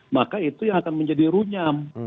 maka itu yang akan menjadi runyam